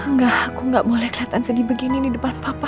enggak aku gak boleh kelihatan sedih begini di depan papa